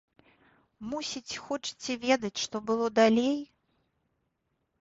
Мусіць, хочаце ведаць, што было далей?